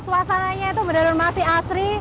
suasananya itu benar benar masih asri